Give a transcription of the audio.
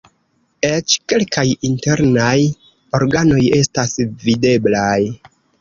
Eĉ kelkaj internaj organoj estas videblaj.